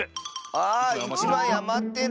あ１まいあまってる！